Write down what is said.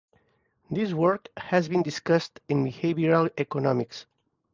This work has been discussed in behavioral economics.